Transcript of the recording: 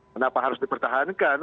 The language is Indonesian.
kenapa harus dipertahankan